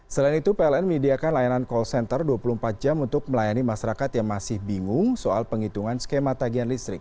selain itu pln menyediakan layanan call center dua puluh empat jam untuk melayani masyarakat yang masih bingung soal penghitungan skema tagihan listrik